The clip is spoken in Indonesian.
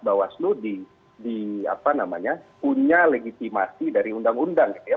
bawaslu di apa namanya punya legitimasi dari undang undang gitu ya